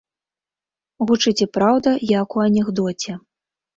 Гучыць і праўда, як у анекдоце.